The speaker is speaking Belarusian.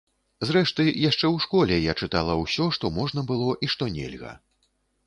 Зрэшты, яшчэ ў школе я чытала ўсё, што можна было і што нельга.